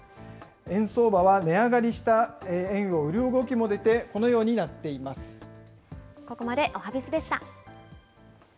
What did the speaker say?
円相場は値上がりした円を売る動きも出て、このようになっていまここまでおはＢｉｚでした。